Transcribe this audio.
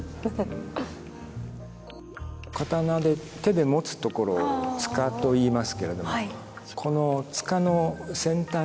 刀で手で持つところを柄といいますけれどもこの柄の先端にですね